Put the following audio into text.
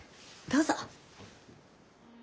どうぞ。